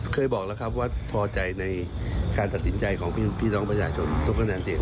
เคยบอกแล้วครับว่าพอใจในการตัดสินใจของพี่น้องประชาชนทุกคะแนนเสียง